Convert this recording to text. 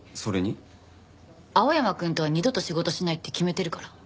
青山くんとは二度と仕事しないって決めてるから。